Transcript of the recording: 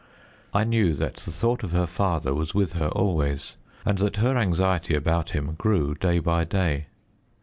I knew that the thought of her father was with her always, and that her anxiety about him grew, day by day.